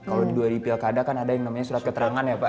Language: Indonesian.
kalau di pilkada kan ada yang namanya surat keterangan ya pak